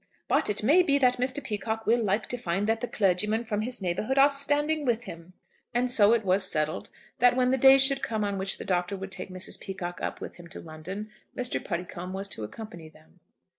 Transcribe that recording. "But it may be that Mr. Peacocke will like to find that the clergymen from his neighbourhood are standing with him." And so it was settled, that when the day should come on which the Doctor would take Mrs. Peacocke up with him to London, Mr. Puddicombe was to accompany them.